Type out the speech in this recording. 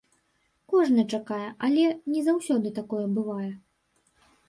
Кожны чакае, але не заўсёды такое бывае.